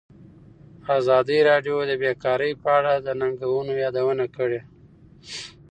ازادي راډیو د بیکاري په اړه د ننګونو یادونه کړې.